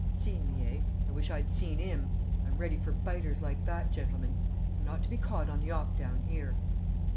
Seen me, eh? I wish I'd seen 'im! I'm ready for biters like that, gentlemen. I'm not to be caught on the 'op down here!"